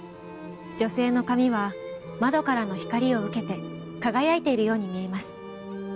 女性の髪は窓からの光を受けて輝いているように見えます。